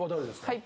はい。